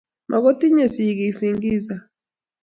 Magotinye sigiik Singiza